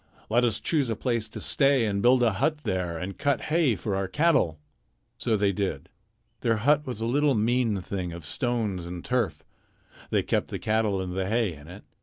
Let us choose a place to stay and build a hut there and cut hay for our cattle." So they did. Their hut was a little mean thing of stones and turf. They kept the cattle and the hay in it.